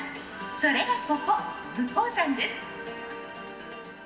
それがここ武甲山です」。